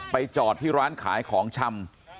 จอดที่ร้านขายของชำ